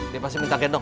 dia pasti minta gendong